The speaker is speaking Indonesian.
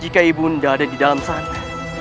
jika ibu bunda ada di dalam sana